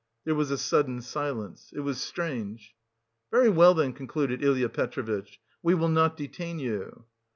There was a sudden silence. It was strange. "Very well, then," concluded Ilya Petrovitch, "we will not detain you."